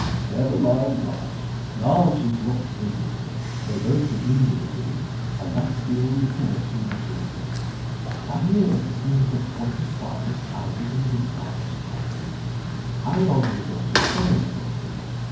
"Never mind Blanche. Blanche is not business. They both begin with a B and that's the only connection between them. I hear you have got one of the finest houses in this part of Scotland. How long are you going to stay in Scotland?